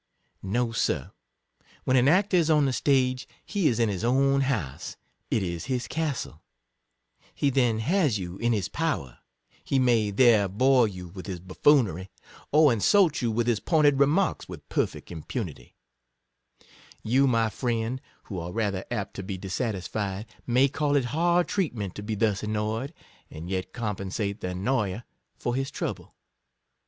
No, Sir — when an actor is on the stage, he is in his own house — it is his castle — he then has you in his power — he may there bore you with his buffoonery, or insult you with his pointed remarks, with perfect impunity* 55 You, my friend, who are rather apt to be dissatisfied, may call it hard treatment to be thus annoyed, and yet compensate the annoy er for his trouble.